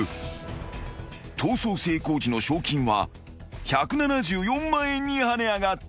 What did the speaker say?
［逃走成功時の賞金は１７４万円に跳ね上がった］